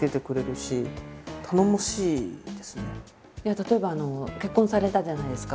例えば結婚されたじゃないですか。